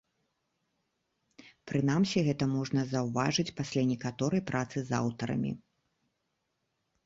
Прынамсі гэта можна заўважыць пасля некаторай працы з аўтарамі.